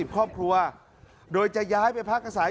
ครอบครัวโดยจะย้ายไปพักอาศัย